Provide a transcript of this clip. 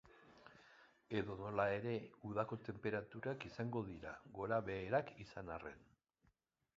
Edonola ere, udako tenperaturak izango dira, gorabeherak izan arren.